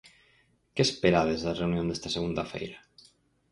Que esperades da reunión desta segunda feira?